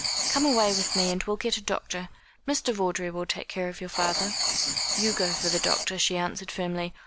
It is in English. "Come away with me, and we'll get a doctor. Mr. Vawdrey will take care of your father." "You go for the doctor," she answered firmly.